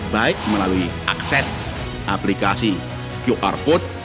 baik melalui akses aplikasi qr code